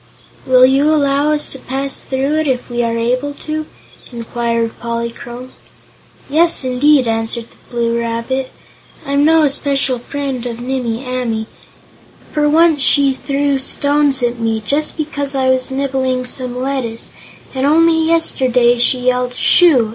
"Will you allow us to pass through it, if we are able to?" inquired Polychrome. "Yes, indeed," answered the Blue Rabbit. "I'm no especial friend of Nimmie Amee, for once she threw stones at me, just because I was nibbling some lettuce, and only yesterday she yelled 'Shoo!'